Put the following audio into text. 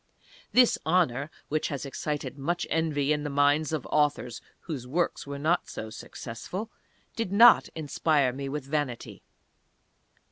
This honour (which has excited much envy in the minds of authors whose works were not so successful), did not inspire me with vanity.